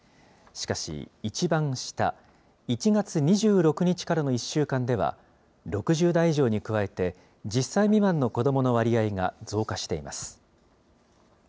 しかし、一番下、１月２６日からの１週間では６０代以上に加えて、１０歳未満の子どもの割合が増加しています。